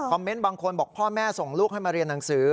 เมนต์บางคนบอกพ่อแม่ส่งลูกให้มาเรียนหนังสือ